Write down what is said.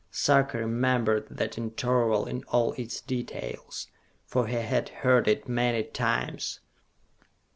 Sarka remembered that interval in all its details, for he had heard it many times.